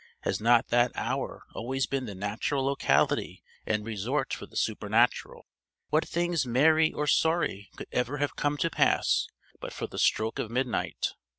Has not that hour always been the natural locality and resort for the supernatural? What things merry or sorry could ever have come to pass but for the stroke of midnight?